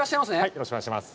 よろしくお願いします。